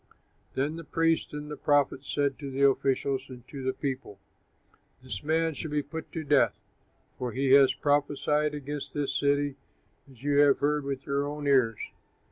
Then the priests and the prophets said to the officials and to the people, "This man should be put to death, for he has prophesied against this city as you have heard with your own ears."